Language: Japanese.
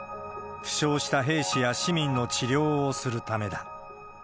負傷した兵士や市民の治療をするためだ。